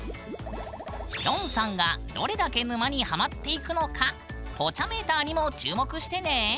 きょんさんがどれだけ沼にハマっていくのか「ポチャメーター」にも注目してね！